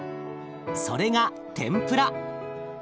それが天ぷら。